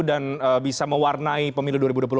dan bisa mewarnai pemilu dua ribu dua puluh empat